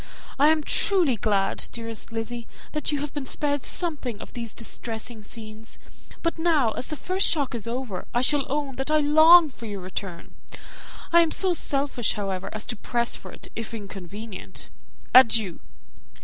I am truly glad, dearest Lizzy, that you have been spared something of these distressing scenes; but now, as the first shock is over, shall I own that I long for your return? I am not so selfish, however, as to press for it, if inconvenient. Adieu!